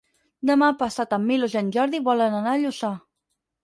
Demà passat en Milos i en Jordi volen anar a Lluçà.